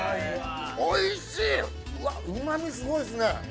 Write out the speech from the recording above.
おいしい、うわっ、うまみすごいですね。